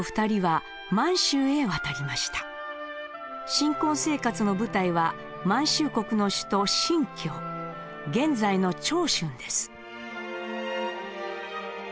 新婚生活の舞台は満州国の首都新京現在の長春です。